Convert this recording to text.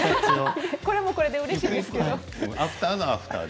これはこれでうれしいですけれども。